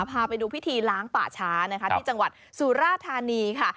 พาไปดูพิธีล้างป่าช้านะคะที่จังหวัดสุราธานีค่ะ